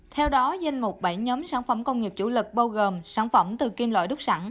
theo đó danh mục bảy nhóm sản phẩm công nghiệp chủ lực bao gồm sản phẩm từ kim loại đúc sẵn